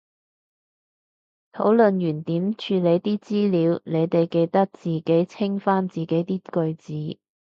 討論完點處理啲資料，你哋記得自己清返自己啲句子